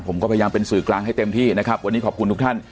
ผมก็พยายามเป็นสื่อกลางให้เต็มที่นะครับวันนี้ขอบคุณทุกท่าน